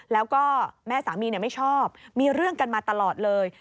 แล้วก็แม่สามีไม่ชอบมีเรื่องกันมาตลอดเลย